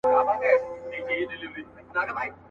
دکرنتین درخصتی څخه په استفاده.